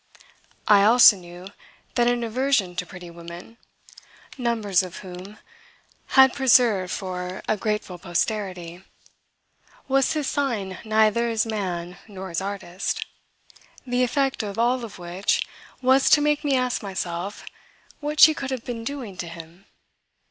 I also knew that an aversion to pretty women numbers of whom he had preserved for a grateful posterity was his sign neither as man nor as artist; the effect of all of which was to make me ask myself what she could have been doing to him.